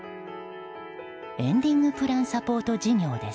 エンディングプラン・サポート事業です。